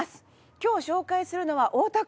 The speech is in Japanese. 今日紹介するのは大田区。